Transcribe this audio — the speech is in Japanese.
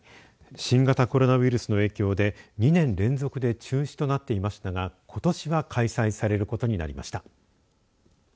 新型コロナウイルスの影響で２年連続で中止となっていましたが、ことしは開催されることになりました。